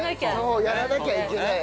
そうやらなきゃいけない。